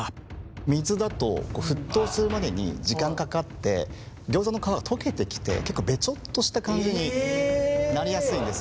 水だと沸騰するまでに時間かかってギョーザの皮が溶けてきて結構ベチョッとした感じになりやすいんですね。